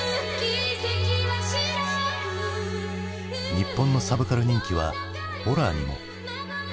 ☎日本のサブカル人気はホラーにも。